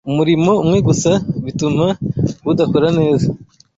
umurimo umwe gusa, bituma budakora neza